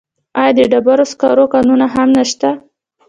آیا د ډبرو سکرو کانونه هم نشته؟